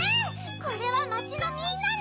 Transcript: これはまちのみんなに。